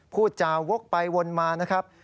พูดจาวกไปวนมานะครับ